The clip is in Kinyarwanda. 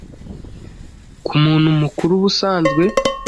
Ku muntu mukuru ubusanzwe